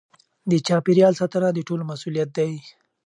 د چاپیریال ساتنه د ټولو مسؤلیت دی.